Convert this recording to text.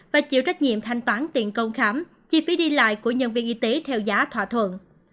và chịu trách nhiệm thanh toán tiền công khám chi phí đi lại của nhân viên y tế theo giá thỏa thuận